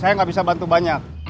maaf saya gak bisa bantu banyak